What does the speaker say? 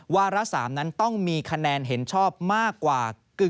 วาระ๓นั้นต้องมีคะแนนเห็นชอบมากกว่า